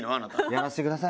やらせてください。